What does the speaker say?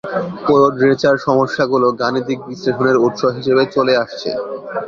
কোয়ডরেচার-সমস্যাগুলো গাণিতিক বিশ্লেষণের উৎস হিসেবে চলে আসছে।